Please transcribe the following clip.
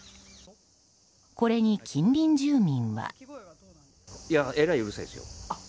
これに近隣住民は。